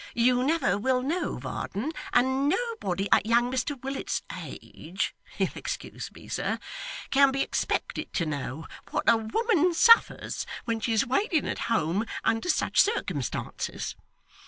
'You never will know, Varden, and nobody at young Mr Willet's age you'll excuse me, sir can be expected to know, what a woman suffers when she is waiting at home under such circumstances.